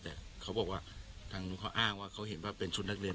แต่เขาบอกว่าทางนู้นเขาอ้างว่าเขาเห็นว่าเป็นชุดนักเรียน